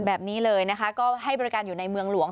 แบบนี้เลยนะคะก็ให้บริการอยู่ในเมืองหลวง